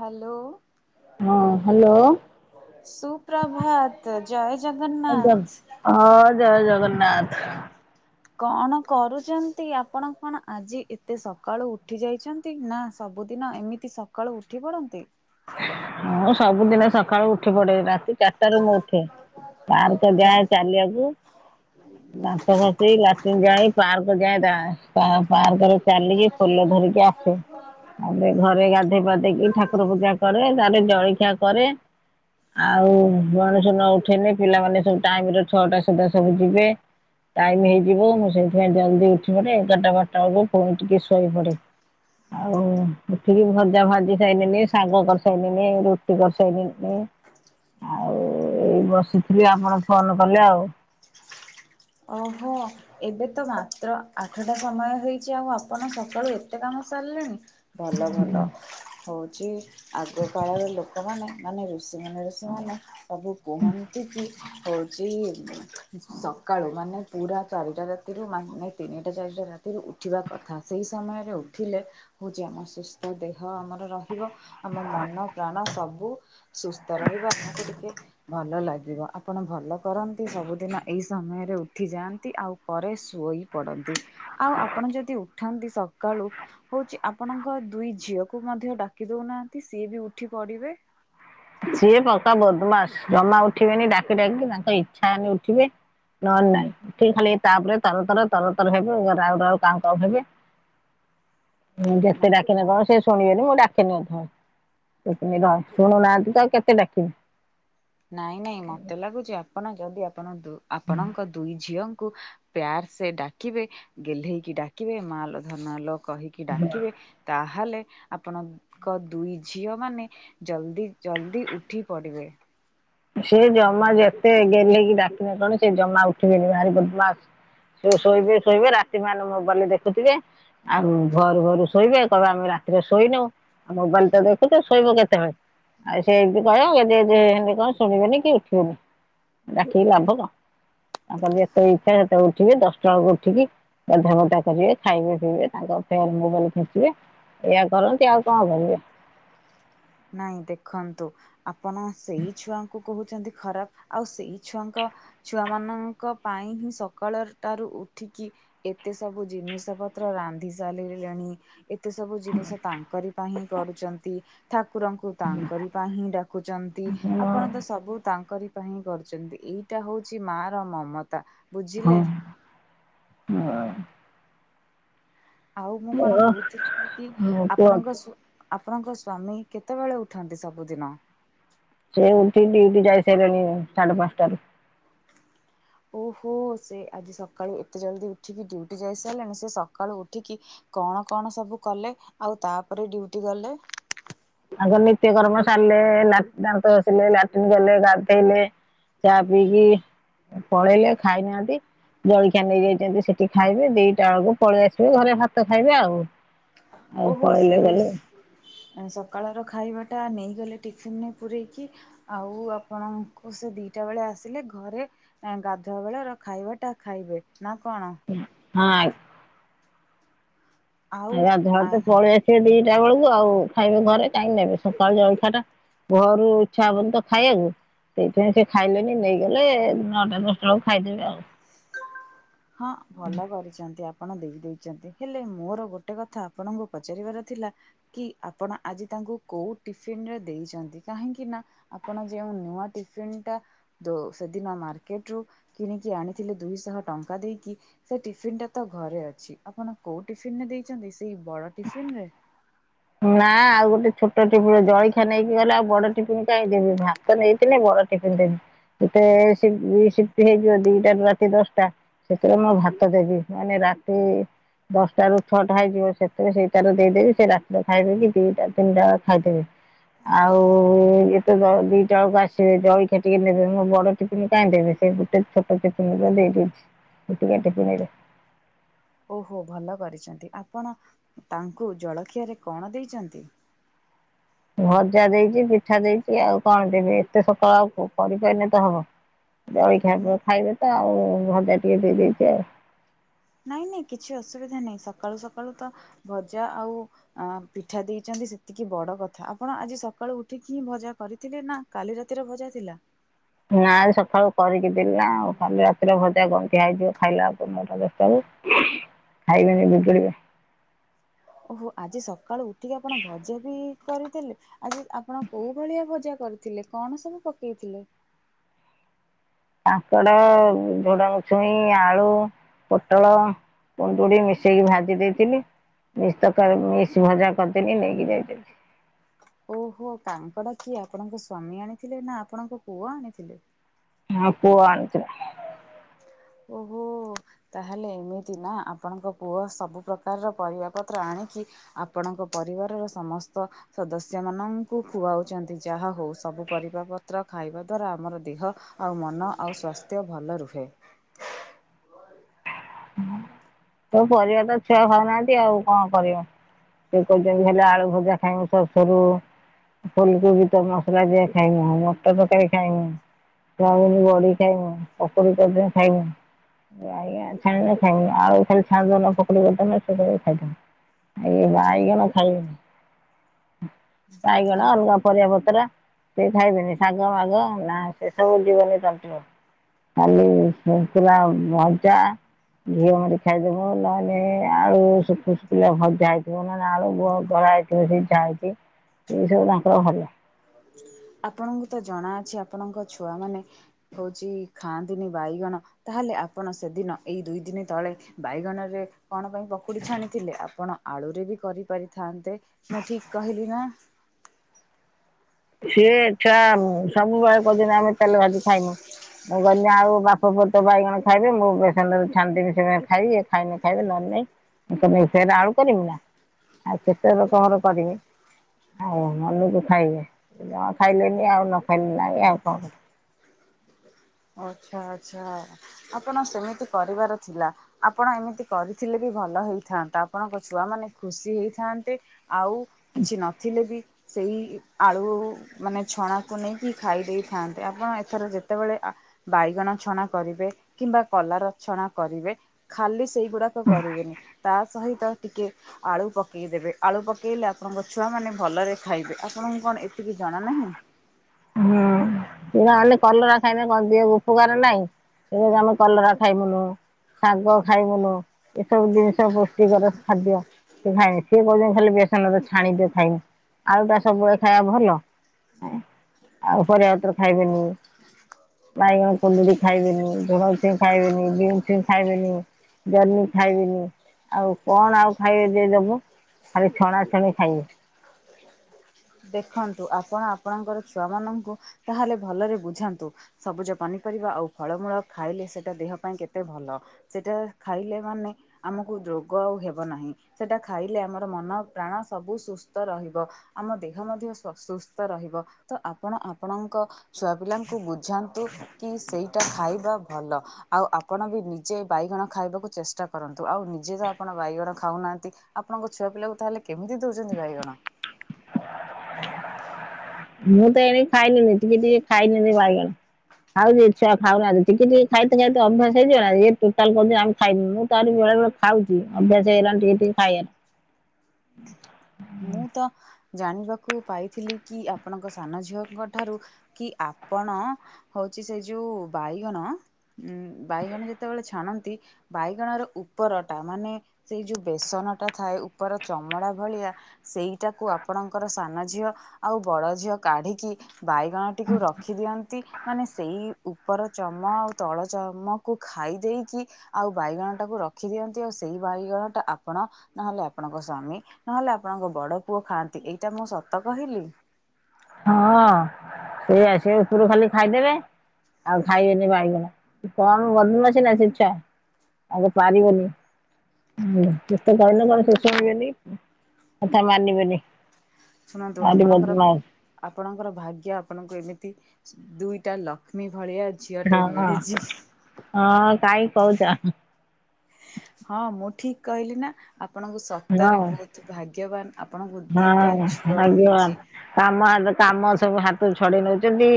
Hello. ହଁ hello ସୁପ୍ରଭାତ ଜୟ ଆଜ୍ଞା। ଜଗନ୍ନାଥ। ହଁ ଜୟ ଜଗନ୍ନାଥ। କଣ କରୁଚନ୍ତି? ଆପଣ କଣ ଆଜି ଏତେ ସକାଳୁ ଉଠି ଯାଇଚନ୍ ନ୍ତି, ନା ସବୁଦିନ, ଏମିତି ସକାଳୁ ଉଠି ପଡନ୍ତି? ମୁଁ, ସବୁଦିନେ ସକାଳୁ ଉଠି ପଡେ। ରାତି ଚାରଟାରୁ ମୁଁ ଉଠେ। ପାର୍କ ଜ ଯାଏ ଚାଲିଆକୁ। ଦାନ୍ତ ଘଷି, ଲାଟିନ୍ ଯାଇ, ପାର୍କ ଯାଏଁ ଦା। ଯାଏ ପାର୍କରେ ଚାଲିକି ଫୁଲ ଧରିକି ଆସେ। ତା'ପରେ ଘରେ ଗାଧେଇ ପାଧେଇକି ଠାକୁର ପୂଜା କରେ, ତା'ରେ ଜଳିଖିଆ କରେ। ଆଉ ମଣିଷ ନ ଉଠେଇଲେ ପିଲାମାନେ ସବୁ ଟାଇମରେ ଛଅଟା ସୁଧା ସବୁ ଯିବେ। ଟାଇମ୍ ହେଇଯିବ। ମୁଁ ସେଇଥିପାଇଁ ଜଲ୍ଦି ଉଠି ପଡ଼େ। ଏଗାରଟା ବାରଟା ବେଳକୁ ଫୁଣି ଟିକେ ଶୋଇ ପଡ଼େ। ଆଉ ଉଠିକି ଭଜା ଭାଜି ସାଇଲିନି ଶାଗ କରସାଇଲିନି ରୁଟି କରସାଇଲିନି। ଆଉ ଏଇ ବସିଥିଲି ଆପଣ ଫୋନ କଲେ ଆଉ। ଓହୋ। ଏବେ ତ ମାତ୍ର ଆଠଟା ସମୟ ହେଇଚି ଆଉ ଆପଣ ସକାଳୁ ଏତେ କାମ ସାରଲେଣି। ଭଲ ଭଲ ହୋଉଚି ଆଗ କାଳର ଲୋକମାନେ, ମାନେ ଋଷି ମୁନିଋଷି ମାନେ ସବୁ କୁହନ୍ତି କି ହଉଚି, ଉମ୍ ସକ୍ କାଳୁ ମାନେ ପୁରା ଚାରିଟା ରାତିରୁ ମାନେ ତିନିଟା ଚାରିଟା ରାତିରୁ ଉଠିବା କଥା। ସେଇ ସମୟରେ ଉଠିଲେ ହଉଚି, ଆମ ସୁସ୍ଥ ଦେହ ଆମର ରହିବ। ଆମ ମନ ପ୍ରାଣ ସବୁ ସୁସ୍ଥ ରହିବ ଆମକୁ ଟିକେ ଭଲ ଲାଗିବ ଆପଣ ଭଲ କରନ୍ତି ସବୁଦିନ ଏଇ ସମୟରେ ଉଠିଯାଆନ୍ତି, ଆଉ ପରେ ଶୋଇ ପଡ଼ନ୍ତି। ଆଉ ଆପଣ ଯଦି ଉଠାନ୍ତି ସକାଳୁ ହଉଚି ଆପଣଙ୍କ ଦୁଇ ଝିଅକୁ ମଧ୍ୟ ଡାକି ଦଉନାହାଁନ୍ତି, ସିଏ ବି ଉଠି ପଡିବେ। ସିଏ ପକା ବଦମାସ୍। ଜମା ଉଠିବେନି, ଡାକି ଡାକି ତାଙ୍କ ଇଚ୍ଛା ହେନେ ଉଠିବେ। ନହନ ନାଇଁ ଉଠିକି ଖାଲି ତାପରେ ତରତର ତରତର ହେବେ ରାଉ ରାଉ କାଉଁ କାଉଁ ହେବେ ମୁଁ ଯେତେ ନା ଡ଼ାକିନେ କଣ? ସେ ସୁ ଶୁଣିବେନି ମୁଁ ଡାକେନି ଏଥିପାଇଁ ସେ ର ଶୁଣୁନାହାନ୍ତି ତ କେତେ ଡାକିବି। ନାଇଁ, ନାଇଁ, ମତେ ଲାଗୁଚି, ଆପଣ ଯଦି ଆପଣ ଦୁ ଆପଣଙ୍କ ଦୁଇ ଝିଅଙ୍କୁ ପ୍ୟାର୍ ସେ ଡାକିବେ, ଗେଲ୍ହେଇକି ଡାକିବେ, ମାଁ ଆଲୋ, ଧନ ଲୋ କହିକି ଡାକିବେ, ତାହେଲେ ଆପଣଙ୍କ ଦୁଇ ଝିଅ ମାନେ ଜଲ୍ଦି ଜଲ୍ଦି ଉଠି ପଡିବେ। ସେ ଜମା ଯେତେ ଗଲ୍ହେଇକି ଡାକିନେ କଣ ସେ ଜମା ଉଠିବେନି ଭାରି ବଦମାସ। ସେ ଶୋଇବେ ଶୋଇବେ ରାତି ମାନ ମୋବାଇଲ୍ ଦେଖୁଥିବେ ଆଉ ଭୋରୁ ଭୋରୁ ଶୋଇବେ। କହିବେ, ଆମେ ରାତିରେ ଶୋଇନୁ। ଆଉ ମୋବାଇଲ୍ ତ ଦେଖୁଚି, ଶୋଇବ କେତେବେଳେ? ଆଉ ସେ ଏମିତି କହେ, ଗେଜେ ଗେଜେ ହେନି କଁ ଶୁଣିବେନି କି ଉଠିବେନି ଡାକିକି ଲାଭ କ ତାଙ୍କର ଯେତେବେଳେ ଇଚ୍ଛା ସେତେବେଳେ ଉଠିବେ ଦଶଟା ବଳକୁ ଉଠିକି ଗାଧୁଆ ପାଧୁଆ କରିବେ ଖାଇବେ ପିଇବେ ତାଙ୍କ ଫେରେ ମୋବାଇଲ ଖେଂଚିବେ। ଏଇଆ କରନ୍ତି, ଆଉ କଣ କରିବେ? ନାଇଁ, ଦେଖନ୍ତୁ, ଆପଣ! ସେଇ ଛୁଆଙ୍କୁ କହୁଚନ୍ତି ଖରାପ୍ ଆଉ ସେଇ ଛୁଆଙ୍କ ଛୁଆ ମାନଙ୍କ ପାଇଁ ହିଁ ସକାଳ ଟାରୁ ଉଠିକି ଏତେ ସବୁ ଜିନିଷ ପତ୍ର ରାନ୍ଧି ସାରିଲେଣି। ଏତେ ସବୁ ଜିନିଷ ତାଙ୍କରି ପାଇଁ ହିଁ କରୁଚନ୍ତି। ଥାକୁରଙ୍କୁ ତାଙ୍କରି ପାଇଁ ହିଁ ଡାକୁଚନ୍ତି ଆପଣ ତ ସବୁ ତାଙ୍କରି ପାଇଁ ହିଁ କରୁଚନ୍ତି ଏଇଟା ହୋଉଚି ମାଆର ମମତା ବୁଝିଲେ। ହଁ। ଆଉ ମୁଁ କଣ ହଁ କୋହୁଥୁଲି କି ମୋ ପୁଅ ଆପଣଙ୍କ ସୁ ଆପଣଙ୍କ ସ୍ଵାମୀ କେତେବେଳେ ଉଠନ୍ତି ସବୁଦିନ? ସେ ଉଠିକି ଡ୍ୟୁଟି ଯାଇସାଇଲେଣି ସାଢେ ପାଞ୍ଚଟାରୁ। ଓହୋ ସେ ଆଜି ସକାଳୁ ଏତେ ଜଲଦି ଉଠିକି ଡ୍ୟୁଟି ଯାଇସାଇଲେଣି ସେ ସକାଳୁ ଉଠିକି କଣ କଣ ସବୁ କଲେ ଆଉ ତାପରେ ଡ୍ୟୁଟି ଗଲେ? ଆଗ ନିତ୍ୟ କର୍ମ ସାରଲେ ଲା ଦାନ୍ତ ଘସିଲେ, ଲାଟିନ୍ ଗଲେ, ଗାଧୋଇଲେ। ଚା ପିଇକି ପଳେଇଲେ ଖାଇନାହାନ୍ତି। ଜଳଖିଆ ନେଇଯାଇଚନ୍ତି ସେଠି ଖାଇବେ ଦିଟା ବେଳକୁ ପଳେଆସିବେ ଘରେ ଭାତ ଖାଇବେ ଆଉ। ଆଉ ଓହୋ ସେ କହିଲେ ଗଲେ। ସକାଳର ଖାଇବା ଟା ନେଇଗଲେ ଟିଫିନ ପୂରେଇକି ଆଉ ଆପଣଙ୍କୁ ସେ ଦିଟା ବେଳେ ଆସିଲେ ଘରେ ଗାଧୁଆ ବେଳ ର ଖାଇବାଟା ଖାଇବେ ନା କଣ। ହଁ ଆ ଆଉ ଗାଧୁଆବେଳେ ଆ ତ ପଳେଇ ଆସିବେ ଦିଟା ବେଳକୁ ଆଉ ଖାଇବେ ଘରେ କାହିଁକି ନେବେ ସକାଳ ଜଳଖିଆଟା ଭୋରୁ ଇଚ୍ଛା ହବନି ତ ଖାଇଆକୁ ସେଇଥିପାଇଁ ସେ ଖାଇଲେନି ନେଇଗଲେ ନଅଟା ଦଶଟା ବେଳକୁ ଖାଇଦେବେ ଆଉ। ହଁ ଭଲ କରିଛନ୍ତି ଆପଣ ଦେଇଦେଇଛନ୍ତି। ହେଲେ ମୋର ଗୋଟେ କଥା ଆପଣଙ୍କୁ ପଚାରିବାର ଥିଲା କି ଆପଣ ଆଜି ତାଙ୍କୁ କୋଉ ଟିଫିନରେ ଦେଇଛନ୍ତି? କାହିଁକି ନା ଆପଣ ଯେଉ ନୂଆ ଟିଫନ୍ ଟା ସେଦିନ ମାର୍କେଟରୁ କିଣିକି ଆଣି ଥିଲେ ଦୁଇଶହ ଟଙ୍କା ଦେଇକି ସେ ଟିଫିିନ ଟା ତ ଘରେ ଅଛି। ଆପଣ କୋଉ ଟିଫିନରେ ଦେଇଛନ୍ତି ସେଇ ବଡ ଟିଫିନ ରେ। ନା ଆଉ ଗୋଟେ ଛୋଟ ଟିଫିନ୍ ଜଳଖିଆ ନେଇକି ଗଲେ ଆଉ ବଡ ଟିଫନ୍ କାଇ ଦେବି ଭା ଭାତ ନେଇଥିଲେ ବଡ ଟିଫିନ ଟେ ଡ୍ୟୁଟି ସି ସିଫ୍ଟ ହେଇଯିବ ଦିଟା ରୁ ରାତି ଦଶଟା। ସେଥିରେ ମୁଁ ଭାତ ଦେବି ମାନେ ରାତି ଦଶଟା ରୁ ଛଅଟା ହେଇଯିବ। ସେତେବେଳ ସେଇଟାରୁ ଦେଇଦେବି ସେ ରା ଖାଇଦେବେ କି ଦିଇଟା ତିନିଟା ବେଳେ ଖାଇଦେବେ। ଆଉ ଇତ ଜଳ ଦିଟା ବେଳକୁ ଆସିବେ ଜଳଖିଆ ଟିକେ ନେବେ ମୁଁ ବଡ ଟିପିନ କାହିଁ ଦେବି ସେ ସେଇ ଛୋଟ ଟିଫିନ୍ ରେ ଦେଇଦେଇଚି ଛୋଟିଆ ଟିପିନ୍ ରେ। ଓହୋ ଭଲ କରିଛନ୍ତି। ଆପଣ ତାଙ୍କୁ ଜଳଖିଆରେ କଣ ଦେଇଛନ୍ତି? ଭଜା ଦେଇଛି ପିଠା ଦେଇଛି ଆଉ କଣ ଦେବି ଏତେ ସକାଳେ ଆଉ କରିପାଇଲେ ତ ହବ। ଜଳଖିଆ ଖାଇବେ ତ ଆଉ ଭଜା ଟିକେ ଦେଇ ଦେଇଛି ଆଉ। ନାଇଁ ନାଇଁ କିଛି ଅସୁବିଧା ନାହିଁ ସକାଳୁ ସକାଳୁ ତ ଭଜା ଆଉ ଆ ପିଠା ଦେଇଛନ୍ତି ସେତିକି ବଡ କଥା ଆପଣ ଆଜି ସକାଳୁ ଉଠିକି ହିଁ ଭଜା କରିଥିଲେ ନା କାଲି ରାତିରେ ଭଜା ଥିଲା। ନା ଆଜି ସକାଳୁ କରିକି ଦେଲି ନାଉ କାଲି ରାତିରେ ଭ ସେ ଗନ୍ଧିଆ ହେଇଯିବ ଖାଇଲାବେଳେକୁ ନଅଟା ଦଶଟା ବେଳକୁ ଖାଇବେନି ବିଗିଡ଼ିବେ। ଓହୋ ଆଜି ସକାଳୁ ଉଠିକି ଆପଣ ଭଜା ବି କରିଦେଲେ ଆଜି ଆପଣ କୋଉ ଭଳିଆ ଭଜା କରିଥିଲେ କଣ ସବୁ ପକେଇଥିଲେ। କାଙ୍କଡ ଝୁଡ଼ଙ୍ଗ ଛୁଇଁ ଆଳୁ ପୋଟଳ କୁଣ୍ଡୁରି ମିଶେଇକି ଭାଜି ଦେଇଥିଲି। ମିସ୍ ତକାରି ମିସ୍ ଭଜା କରିଦେଲିି ନେଇକି ଯାଇଛନ୍ତି। ଓହୋ କାଙ୍କଡ କିଏ ଆପଣଙ୍କ ସ୍ଵାମୀ ଆଣିଥିଲେ ନା ଆପଣଙ୍କ ପୁଅ ଆଣିଥିଲେ। ହଁ ପୁଅ ଆଣିଥିଲା। ଓହୋ ତାହେଲେ ଏମିତି ନା ଆପଣଙ୍କ ପୁଅ ସବୁ ପ୍ରକାରର ପରିବା ପତ୍ର ଆଣିକି ଆପଣଙ୍କ ପରିବାରର ସମସ୍ତ ସଦସ୍ୟମାନଙ୍କୁ ଖୁଆଉଛନ୍ତି ଯାହା ହଉ ସବୁ ପରିବା ପତ୍ର ଖାଇବା ଦ୍ଵାରା ଆମର ଦେହ ଆଉ ମନ ଆଉ ସ୍ୱାସ୍ଥ୍ୟ ଭଲ ରୁହେ। ତୋ ପରିବା ତ ଛୁଆ ଖାଉନାହାନ୍ତି ଆଉ କଣ କରିବ। ସେ କଛନ୍ତି ହେଲେ ଆଳୁ ଭଜା ଖାଇବୁ ସସରୁ। ଫୁଲକୋବି ତ ମସଲା ଦିଆ ଖାଇ ମଟର ତରକାରୀ ଖାଇନୀ। ବଡି ଖାଇବୁ ପୋଖରୀ ଖାଇବୁ। ଖାଇ ଆଉଛ ପୋକୋଡ଼ି ମିସେଇକି ଖାଇବୁ। [unintelligible] ଇଏ ବାଇଗଣ ଖାଇବେନି। ବାଇଗଣ ଅଲଗା ପରିବା ପତ୍ର ସେ ଖାଇବେନି ଶାଗ ମାଗ ନା ସେ [unintelligible] ଖାଲି ଶୁଖିଲା ଭଜା ଘିଅ ମାରି ଖାଇଦବୁ ନହେଲେ, ଆଳୁ ଶୁଖୁ ଶୁଖିଲା ଭଜା ହେଇଥିବ, ନହେଲେ ଆଳୁ ବ ଧଳା ହେଇଥିବ। [unintelligible] ଏ ସବୁ ତାଙ୍କର ଭଲ। ଆପଣଙ୍କୁ ତ ଜଣାଅଛି ଆପଣଙ୍କ ଛୁଆ ମାନେ ହଉଛି ଖାଆନ୍ତିନି ବାଇଗଣ। ତାହାଲେ ଆପଣ ସେଦିନ ଏଇ ଦୁଇ ଦିନି ତଳେ ବାଇଗଣରେ କଣ ପାଇଁ ପକୁଡ଼ିଛାଣିଥିଲେ ଆପଣ ଆଳୁରେ ବି କରିପାରିଥାନ୍ତେ ମୁଁ ଠିକ କହିଲି ନା। ସିଏ ଛୁଆ ସବୁବେଳେ କହୁଚିନା ଆମେ ଚାଲ ଆଜି ଖାଇବୁ। ମୁଁ ଗଲିି ଆଉ ବାପ ପୁଅ ତ ବାଇଗଣ ଖାଇବେ ମୁଁ ବେସନ ଛାଣିଦେବେ ସେ ଖାଇବି ଖାଇନି ଖାଇବେ ନହେ ନାଇଁ। ମୁଁ କହିଲି ଫେରେ ଆଳୁ କରିବି ନା ଆଉ କେତେ ଲୋକ ଙ୍କ ର କରିବି। ଆଉ ମନକୁ ଖାଇବେ ଏଇୟା ଖାଇଲେନି ଆଉ ନ ଖାଇଲେ ନାଇ ଆଉ କଣ କର ଓ ଆଚ୍ଛା ଆଚ୍ଛା ଆପଣ ସେମିତି କରିବାର ଥିଲା। ଆପଣ ଏମିତି କରିଥିଲେ ବି ଭଲ ହେଇଥାନ୍ତା ଆପଣଙ୍କ ଛୁଆ ମାନେ ଖୁସି ହେଇଥାନ୍ତେ। ଆଉ କିଛି ନଥିଲେ ବି। ସେଇ ଇ ଆଳୁ ମାନେ ଛଣାକୁ ନେଇକି ଖାଇ ଦେଇଥାନ୍ତେ ଆପଣ ଏଥର ଯେତେବେଳେ ଆ ବାଇଗଣ ଛଣା କରିବେ କିମ୍ବା କଲରା ଛଣା କରିବେ। ଖାଲି ସେଇଗୁଡାକ କରିବେନି ତା ସହିତ ଟିକେ। ଆଳୁ ପକେଇ କି ଦେବେ ଆଳୁ ପକେଇଲେ ଆପଣଙ୍କ ଛୁଆମାନେ ଭଲରେ ଖାଇବେ ଆପଣଙ୍କୁ କଣ ଏତିକି ଜଣା ନାହିଁ? ହୁଁ, ନହେଲେ, କଲରା ଖାଇନେ କଣ ଦେହକୁ ଉପକାର ନାଇଁ? ସେ କହୁଚନ୍ତି ଆମେ କଲରା ଖାଇମୁନୁ। ଶାଗ ଖାଇବୁନୁ। ଏ ସବୁ ଜିନିଷ ପୁଷ୍ଟିକର ଖାଦ୍ୟ। ସେ କହୁଚନ୍ତି ଖାଲି ବେସନରେ ଛାଣି ଦେ ଖାଇମି, ଆଳୁଟା ସବୁବେଳେ ଖାଇବା ଭଲ? ଆଉ ପରିବାପତ୍ର ଖାଇବେନି। ବାଇଗଣ, କୁନ୍ଦୁରୀ ଖାଇବେନି ଭଲ ସେ ଖାଇବେନି ବିମ୍ ଛୁଇଁ ଖାଇବେନି। ଜହ୍ନି ଖାଇବେନି। ଆଉ କଣ ଆଉ ଖାଇବେ ଯେ ଦବ। ଖାଲି ଛଣାଛଣି ଖାଇବେ। ଦେଖନ୍ତୁ ଆପଣ ଆପଣଙ୍କର ଛୁଆମାନଙ୍କୁ ତାହେଲେ ଭଲରେ ବୁଝାନ୍ତୁ। ସବୁଜ ପନିପରିବା ଆଉ ଫଳମୂଳ ଖାଇଲେ ସେଟା ଦେହ ପାଇଁ କେତେ ଭଲ। ସେଟା ଖାଇଲେ ମାନେ ଆମକୁ ରୋଗ ଆଉ ହେବ ନାହିଁ। ସେଟା ଖାଇଲେ ଆମର ମନ ପ୍ରାଣ ସବୁ ସୁସ୍ଥ ରହିବ। ଆମ ଦେ ଦେହ ମଧ୍ୟ ସ ସୁସ୍ଥ ରହିବ। ତ ଆପଣ ଆପଣଙ୍କ ଛୁଆ ପିଲାଙ୍କୁ ବୁଝାନ୍ତୁ। କି ସେଇଟା ଖାଇବା ଭଲ। ଆଉ ଆପଣ ବି ନିଜେ ବାଇଗଣ ଖାଇବାକୁ ଚେଷ୍ଟା କରନ୍ତୁ। ଆଉ ନିଜେ ତ ଆପଣ ବାଇଗଣ ଖାଉନାହାନ୍ତି। ଆପଣଙ୍କ ଛୁଆ ପିଲାକୁ ତାହେଲେ କେମିତି ଦଉଚନ୍ତି ବାଇଗଣ? ମୁଁ ତ ଏଣିକି ଖାଇଲିଣୀ ଟିକେ ଟିକେ ଖାଇଲିଣୀ ବାଇଗଣ ଆଉ ଜେ ଛୁଆ ଖାଉନାହାନ୍ତି ଟିକେ ଟିକେ ଖାଇତେ ଖାଇତେ ଅଭ୍ୟାସ ହେଇଯିବ ନା, ଏ ଟୋଟାଲ କହୁଚିନ୍ତି ଆମେ ଖାଇବୁନୁ, ମୁଁ ତ ଆହୁରି ବେଳେବେଳେ ଖାଉଚି ଅଭ୍ୟାସ ହେଇଗଲାଣି ଟିକେ ଟିକେ ଖାଇବାରେ। ମୁଁ ତ ଜାଣିବାକୁ ପାଇଥିଲି କି ଆପଣଙ୍କ ସାନ ଝିଅଙ୍କ ଠାରୁ କି ଆପଣ ହଉଚି ସେ ଯୋଉ ବାଇଗଣ ଉଁ ବାଇଗଣ ଯେତେବେଳେ ଛାଣନ୍ତି ବାଇଗଣର ଉପରଟା ମାନେ ସେଇ ଯୋଉ ବେସନଟା ଥାଏ ଉପର ଚମଡା ଭଳିଆ ସେଇଟାକୁ ଆପଣଙ୍କର ସାନ ଝିଅ ଆଉ ବଡ ଝିଅ କାଢିକି। ବାଇଗଣଟିକୁ ରଖିଦିଅନ୍ତି ମାନେ ସେଇ ଉପର ଚମ ତଳ ଚର୍ମକୁ ଖାଇ ଦେଇକି। ଆଉ ବାଇଗଣ ଟାକୁ ରଖି ଦିଅନ୍ତି ଆଉ ସେଇ ବାଇଗଣ ଟା ଆପଣ। ନହେଲେ ଆପଣଙ୍କ ସ୍ଵାମୀ ନହେଲେ ଆପଣଙ୍କ ବଡ ପୁଅ ଖାଆନ୍ତି ଏଇଟା ମୁଁ ସତ କହିଲି। ହଁ ସେ ଆସିବେ ଉପୁରୁ ଖାଲି ଖାଇଦେବେ। ଆଉ ଖାଇବେନି ବାଇଗଣ କମ୍ ବଦମାସୀ ନା ସେ ଛୁଆ। ଆକୁ ପାରିବନି [unintelligible] ଯେତେ କହିଲେ କଣ ସେ ଶୁଣିବେନି। କଥା ମାନି ବେନି। ଶୁଣନ୍ତୁ ଆପଣଙ୍କର। ଆପଣଙ୍କର ଭାଗ୍ୟ ଆପଣଙ୍କୁ ଏମିତି ଦୁଇଟା ଲକ୍ଷ୍ମୀ ଭଳିଆ। ଝିଅଟେ ହଁ ମିଳିଛି ହଁ କାହିଁ କହୁଛ। ହଁ ମୁଁ ଠିକ କହିଲି ନା ଆପଣଙ୍କୁ ହଁ ସତରେ ବହୁତ ଭାଗ୍ୟବାନ। ଆପଣଙ୍କୁ ଦିଟା ହଁ ଝୁଅ ଆଜ୍ଞା। ମିଳିଛି। କାମ [unintelligible] କାମ ସବୁ ହାତରୁ ଛଡେଇ ନଉଚନ୍ତି।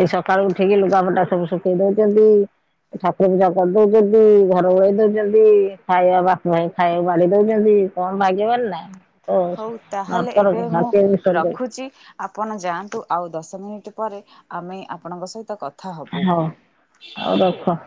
ଏଇ ସକାଳୁ ଉଠିକି ଲୁଗାପଟା ସବୁ ଶୁଖେଇ ଦଉଚନ୍ତି। ଠାକୁର ପୂଜା କରିଦଉଛନ୍ତି ଘର ଓଳେଇ ଦଉଛନ୍ତି ଖାଇବା ବାପ ଭାଇ ଖାଇବା ବାଢ଼ି ଦଉଛନ୍ତି। କମ ଭାଗ୍ୟବାନ ନା ହଉ [unintelligible] ତାହେଲେ ଏବେ ମୁଁ ମାଟିଆ ରଖୁଛି। ଆପଣ ଯାଆନ୍ତୁ ଆଉ ଦଶ ମିନିଟ୍ ପରେ ଆମେ ଆପଣଙ୍କ ସହିତ କ ହଁ ହଉ ରଖ।